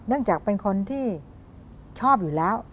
เนื่องจากเป็นคนที่ชอบอยู่แล้ว